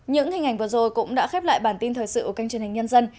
những hình ảnh vừa rồi cũng đã khép lại bản tin thời sự của kênh truyền hình nhân dân